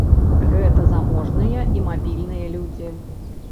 Гэта заможныя і мабільныя людзі.